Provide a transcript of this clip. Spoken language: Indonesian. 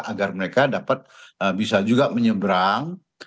agar mereka dapat bisa juga menyeberang